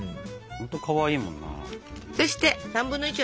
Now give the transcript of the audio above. ほんとかわいいもんな。